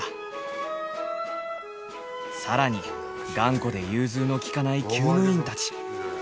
更に頑固で融通の利かないきゅう務員たち。